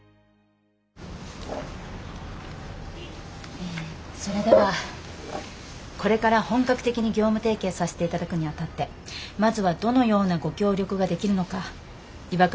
えそれではこれから本格的に業務提携させていただくにあたってまずはどのようなご協力ができるのか岩倉と私でまとめてきました。